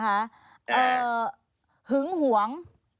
เอ่อหึงหวง